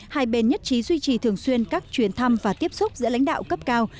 hai bên nhất trí duy trì thường xuyên các chuyến thăm và tiếp xúc giữa lãnh đạo cấp cao